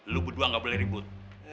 lu berdua gak boleh ribut